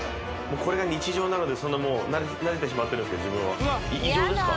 これが日常なのでそんなもう慣れてしまってるんすけど自分は異常ですか？